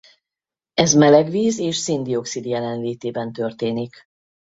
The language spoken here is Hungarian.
Ez meleg víz és szén-dioxid jelenlétében történik.